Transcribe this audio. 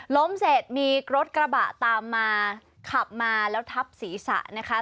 ล้มเสร็จมีรถกระบะตามมาขับมาแล้วทับศีรษะนะคะ